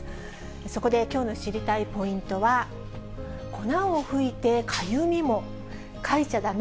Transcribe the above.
そこできょうの知りたいポイントは、粉をふいてかゆみも、かいちゃだめ！